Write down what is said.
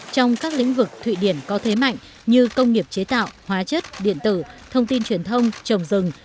trong các lĩnh vực thụy điển có thế mạnh như công nghiệp chế tạo hóa chất điện tử thông tin truyền thông trồng rừng